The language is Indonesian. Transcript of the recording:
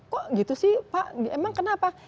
kok gitu sih pak emang kenapa